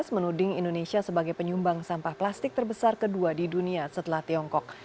menuding indonesia sebagai penyumbang sampah plastik terbesar kedua di dunia setelah tiongkok